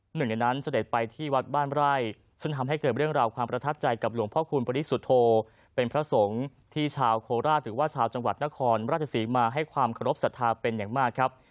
หนึ่งในนั้นเสด็จไปที่วัดบ้านไร่ซึ่งทำให้เกิดเรื่องราวความประทับใจกับหลวงพ่อคูณปริสุทธโธเป็นพระสงฆ์ที่ชาวโคราชหรือว่าชาวจังหวัดนครราชศรีมาให้ความเคารพสัทธาเป็นอย่างมากครับ